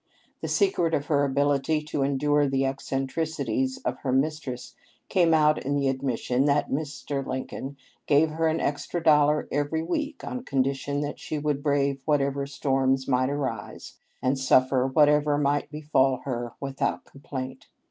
The secret of her ability to en dure the eccentricities of her mistress came out in the admission that Mr. Lincoln gave her an extra dollar each week on condition that she would brave whatever storms might arise, and suffer whatever might befall her, without complaint.